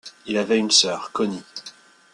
Il avait une sœur, Connie.